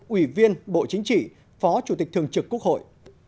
ủy viên bộ chính trị phó chủ tịch thường trực quốc hội